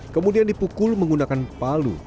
kemudian dipukul menggunakan palu